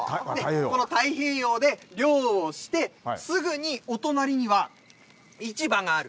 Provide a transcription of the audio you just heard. この太平洋で漁をしてすぐに、お隣には市場がある。